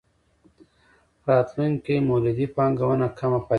راتلونکې مولدې پانګونه کمه پاتې کېږي.